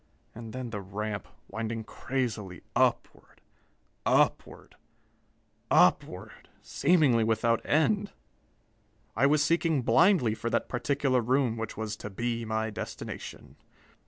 And then the ramp, winding crazily upward upward upward, seemingly without end. I was seeking blindly for that particular room which was to be my destination.